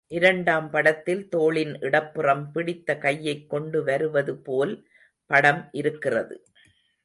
இரண்டாம் படத்தில் தோளின் இடப்புறம் பிடித்த கையைக் கொண்டு வருவது போல் படம் இருக்கிறது.